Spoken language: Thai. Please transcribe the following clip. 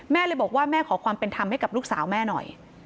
แม่เลยบอกว่าแม่ขอความเป็นธรรมให้กับลูกสาวแม่หน่อย